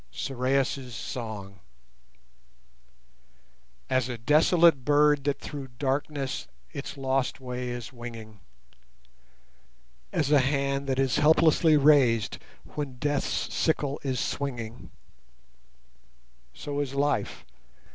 SORAIS' SONG As a desolate bird that through darkness its lost way is winging, As a hand that is helplessly raised when Death's sickle is swinging, So is life!